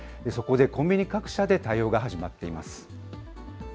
そこで、コンビニ各社で対応が始まっています。